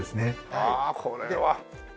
ああこれは。